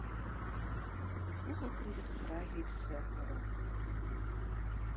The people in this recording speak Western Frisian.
De fûgel krige de frijheid wer werom.